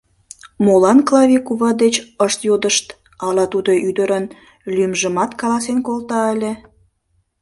Молан Клави кува деч ышт йодышт: ала тудо ӱдырын лӱмжымат каласен колта ыле?